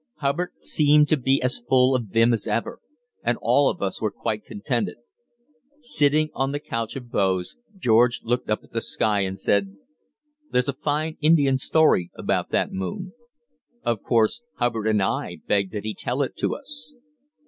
Hubbard seemed to be as full of vim as ever, and all of us were quite contented. Sitting on the couch of boughs, George looked up at the sky and said: "There's a fine Indian story about that moon." Of course Hubbard and I begged that he tell it to us.